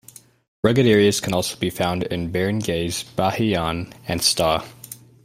Rugged areas can also be found in Barangays Bahi-an and Sta.